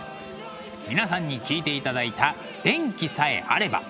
皆さんに聴いていただいた「電気さえあれば」。